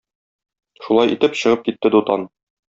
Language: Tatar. Шулай итеп, чыгып китте Дутан.